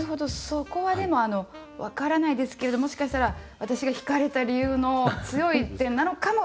そこはでも分からないですけれどもしかしたら私が惹かれた理由の強い点なのかも分からないですね。